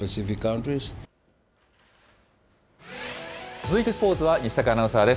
続いてスポーツは西阪アナウンサーです。